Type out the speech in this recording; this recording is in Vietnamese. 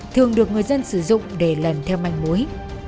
thường được người dân sử dụng để lần theo manh mối